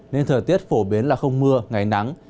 nên thời tiết phổ biến là không mưa ngày nắng